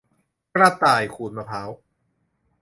กระต่ายขูดมะพร้าว